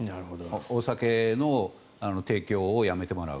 お酒の提供をやめてもらう。